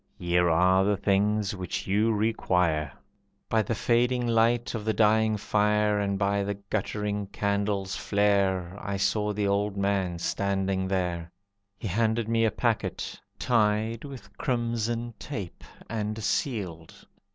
Here are the things which you require." By the fading light of the dying fire, And by the guttering candle's flare, I saw the old man standing there. He handed me a packet, tied With crimson tape, and sealed.